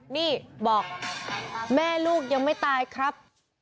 นี่บอกแม่ลูกยังไม่ตายครับ